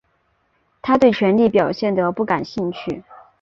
他对权力表现得不感兴趣。